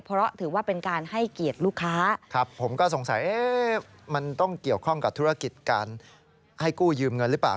เพราะถือว่าเป็นการให้เกียรติลูกค้าครับผมก็สงสัยเอ๊ะมันต้องเกี่ยวข้องกับธุรกิจการให้กู้ยืมเงินหรือเปล่า